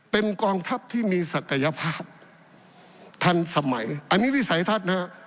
เป็นกองทัพที่มีศักยภาพทันสมัยอันนี้วิสัยทัศน์นะฮะ